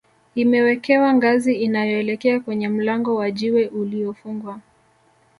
imewekewa ngazi inayoelekea kwenye mlango wa jiwe uliyofungwa